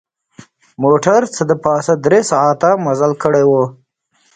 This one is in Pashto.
موټر څه د پاسه درې ساعته مزل کړی و.